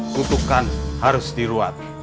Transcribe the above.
kutukan harus diruat